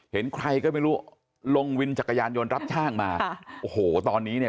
เห็นใครก็ไม่รู้ลงวินจักรยานยนต์รับจ้างมาค่ะโอ้โหตอนนี้เนี่ย